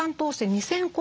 ２，０００個。